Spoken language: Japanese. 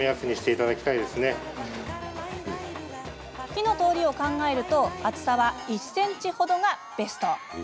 火の通りを考えると厚さは１ｃｍ程がベスト。